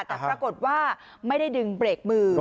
แต่ปรากฏว่าไม่ได้ดึงเบรกมือ